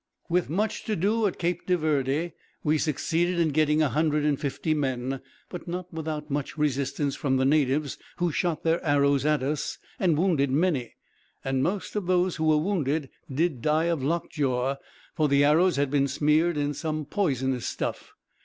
"With much to do at Cape de Verde, we succeeded in getting a hundred and fifty men; but not without much resistance from the natives, who shot their arrows at us, and wounded many; and most of those who were wounded did die of lock jaw, for the arrows had been smeared in some poisonous stuff.